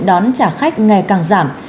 đón trả khách ngày càng giảm